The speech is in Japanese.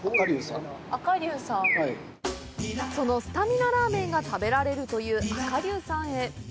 そのスタミナラーメンが食べられるという赤龍さんへ。